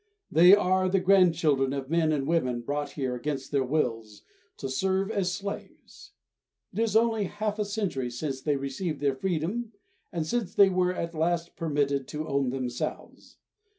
They are the grandchildren of men and women brought here against their wills to serve as slaves. It is only half a century since they received their freedom and since they were at last permitted to own themselves.